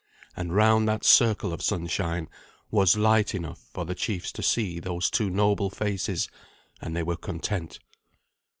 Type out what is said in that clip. And round that circle of sunshine was light enough for the chiefs to see those two noble faces, and they were content.